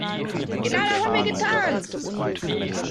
Genau das haben wir getan.